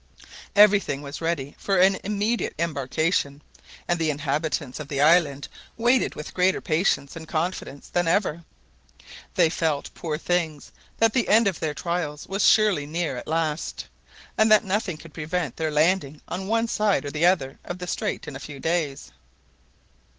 Everything was ready for an immediate embarkation, and the inhabitants of the island waited with greater patience and confidence than ever. They felt, poor things, that the end of their trials was surely near at last, and that nothing could prevent their landing on one side or the other of the strait in a few days.